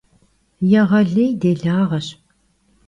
Yêğelêy dêlağeş.